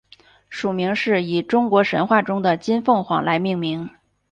属名是以中国神话中的金凤凰来命名。